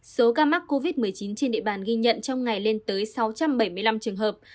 số ca mắc covid một mươi chín trên địa bàn ghi nhận trong ngày lên tới sáu trăm bảy mươi năm trường hợp